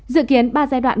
dự kiến ba giai đoạn mở cửa